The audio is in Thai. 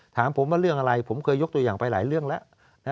ถามผมว่าเรื่องอะไรผมเคยยกตัวอย่างไปหลายเรื่องแล้ว